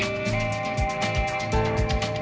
banyak kalangan yang mendahului